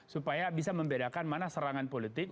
supaya bisa membedakan mana serangan politik